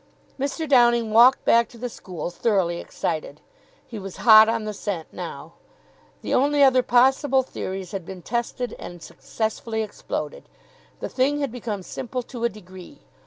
Mr. Downing walked back to the school thoroughly excited. He was hot on the scent now. The only other possible theories had been tested and successfully exploded. The thing had become simple to a degree.